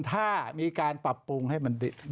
ถ้ามีการปรับปรุงให้มันดี